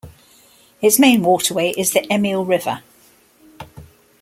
Its main waterway is the Emil River.